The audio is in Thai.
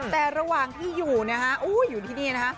แต่ระหว่างที่อยู่นะฮะอยู่ที่นี่นะฮะ